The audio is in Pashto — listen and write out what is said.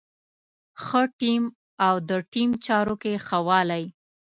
ښه ټيم او د ټيم چارو کې ښه والی.